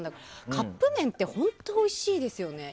カップ麺って本当においしいですよね。